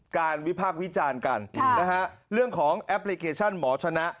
การวิภาควิจารณ์กันนะครับเรื่องของแอปพลิเคชั่นหมอชนะ